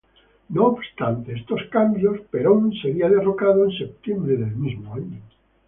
No obstante estos cambios, Perón sería derrocado en septiembre del mismo año.